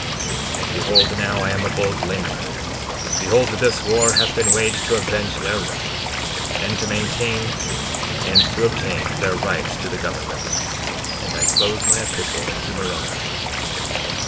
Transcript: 54:24 And behold now, I am a bold Lamanite; behold, this war hath been waged to avenge their wrongs, and to maintain and to obtain their rights to the government; and I close my epistle to Moroni.